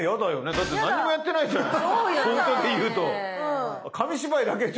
だって何にもやってないじゃない。